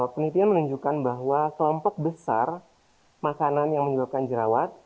penelitian menunjukkan bahwa kelompok besar makanan yang menyebabkan jerawat